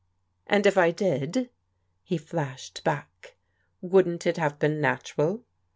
"And if I did?" he flashed back, "wouldn't it have been natural?